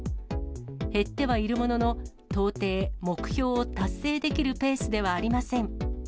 減ってはいるものの、到底、目標を達成できるペースではありません。